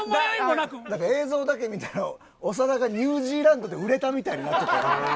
なんか映像だけ見たら長田がニュージーランドで売れたみたいになってたやろ。